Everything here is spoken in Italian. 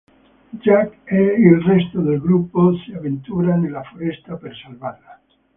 Jack e il resto del gruppo si avventura nella foresta per salvarla.